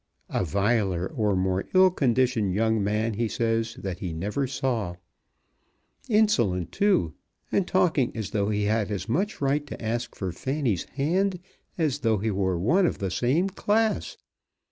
A viler or more ill conditioned young man he says that he never saw; insolent, too, and talking as though he had as much right to ask for Fanny's hand as though he were one of the same class.